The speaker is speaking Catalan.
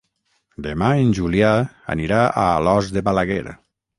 Demà en Julià anirà a Alòs de Balaguer.